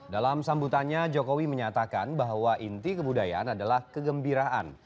dalam sambutannya jokowi menyatakan bahwa inti kebudayaan adalah kegembiraan